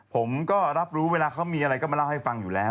ผมก็รับรู้เวลาเขามีอะไรก็มาเล่าให้ฟังอยู่แล้ว